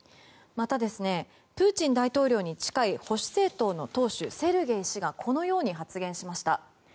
また、プーチン大統領に近い保守政党の党首、セルゲイ氏がこのように発言しました。